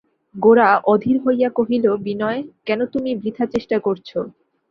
গোরা অধীর হইয়া কহিল, বিনয়, কেন তুমি বৃথা চেষ্টা করছ।